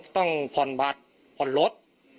ต้องผ่อนบัตรผ่อนรถ